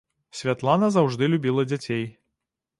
Святлана заўжды любіла дзяцей.